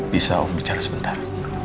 bisa om bicara sebentar